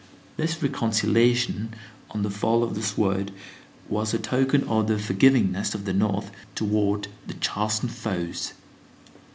This reconciliation on the fall of the sword was a token of the forgivingness of the North toward the chastened foes.